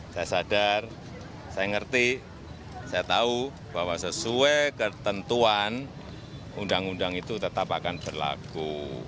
saya sadar saya ngerti saya tahu bahwa sesuai ketentuan undang undang itu tetap akan berlaku